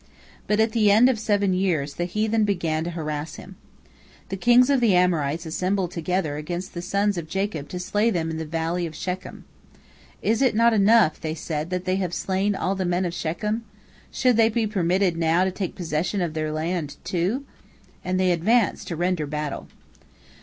But at the end of seven years the heathen began to harass him. The kings of the Amorites assembled together against the sons of Jacob to slay them in the Valley of Shechem. "Is it not enough," they said, "that they have slain all the men of Shechem? Should they be permitted now to take possession of their land, too?" and they advanced to render battle.